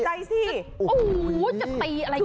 โอ้โหจะตีอะไรขนาดนั้น